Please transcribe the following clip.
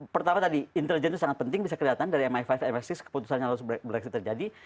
pertama tadi intelijen itu sangat penting bisa kelihatan dari mi lima dan mi enam keputusannya lalu brexit terjadi